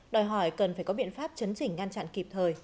đòi hỏi cần phải có biện pháp chấn chỉnh ngăn chặn kịp thời